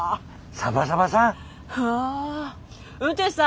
サバサバさん！